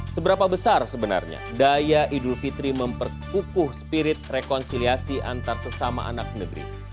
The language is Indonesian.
seberapa besar sebenarnya daya idul fitri memperkukuh spirit rekonsiliasi antar sesama anak negeri